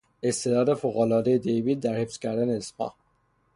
استعداد فوق العادهی دیوید در حفظ کردن اسمها